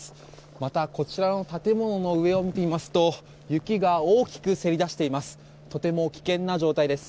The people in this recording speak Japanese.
また、こちらの建物の上を見てみますと雪が大きくせり出しています。